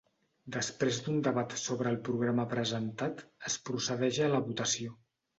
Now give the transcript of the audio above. Després d’un debat sobre el programa presentat, es procedeix a la votació.